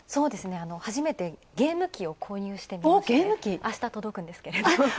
初めてゲーム機を購入してあした届くんですけど。